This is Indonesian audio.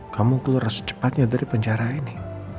kamu keluar secepatnya dari penjara ini